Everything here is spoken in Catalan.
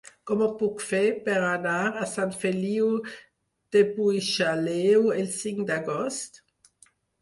Com ho puc fer per anar a Sant Feliu de Buixalleu el cinc d'agost?